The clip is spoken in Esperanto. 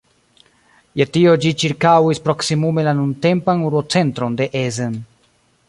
Je tio ĝi ĉirkaŭis proksimume la nuntempan urbocentron de Essen.